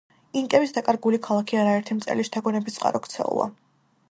ინკების დაკარგული ქალაქი არაერთი მწერლის შთაგონების წყარო ქცეულა.